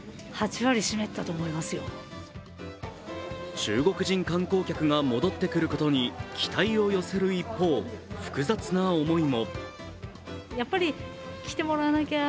中国人観光客が戻ってくることに期待を寄せる一方、複雑な思いも。